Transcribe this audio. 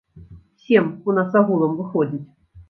Сем у нас агулам выходзіць.